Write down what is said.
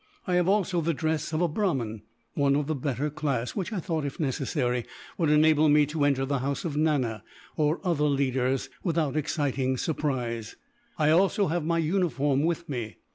I have also the dress of a Brahmin one of the better class which I thought, if necessary, would enable me to enter the house of Nana, or other leaders, without exciting surprise. I also have my uniform with me.